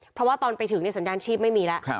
เพราะว่าตอนไปถึงสัญญาณชีพไม่มีแล้ว